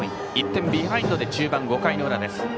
１点ビハインドで中盤５回の裏。